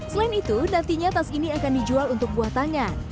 selain itu nantinya tas ini akan dijual untuk buah tangan